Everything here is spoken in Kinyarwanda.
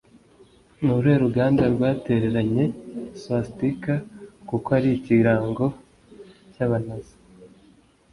Ni uruhe ruganda rwatereranye Swastika kuko ari ikirango cyaba nazi?